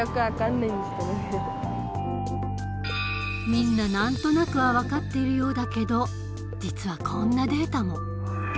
みんな何となくは分かっているようだけど実はこんなデータも。